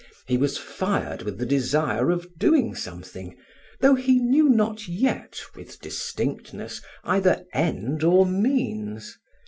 He was fired with the desire of doing something, though he knew not yet, with distinctness, either end or means.